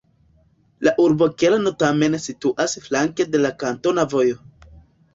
La urbokerno tamen situas flanke de la kantona vojo.